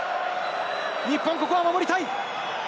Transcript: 日本ここは守りたい。